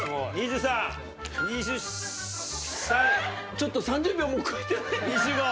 ちょっと３０秒もう超えてない？